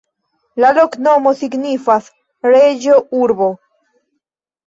La loknomo signifas: reĝo-urbo.